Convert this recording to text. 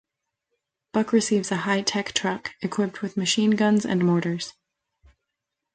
Buck receives a high tech truck, equipped with machine guns and mortars.